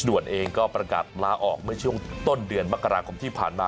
เองก็ประกาศลาออกเมื่อช่วงต้นเดือนมกราคมที่ผ่านมา